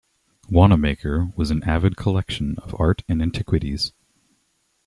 Wanamaker was an avid collection of art and antiquities.